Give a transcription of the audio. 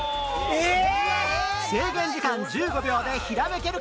制限時間１５秒でひらめけるか？